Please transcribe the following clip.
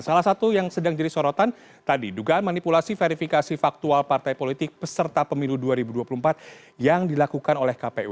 salah satu yang sedang jadi sorotan tadi dugaan manipulasi verifikasi faktual partai politik peserta pemilu dua ribu dua puluh empat yang dilakukan oleh kpu